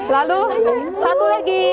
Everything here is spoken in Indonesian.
lalu satu lagi